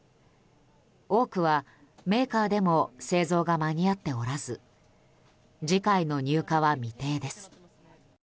多くはメーカーでも製造が間に合っておらず次回の入荷は未定です。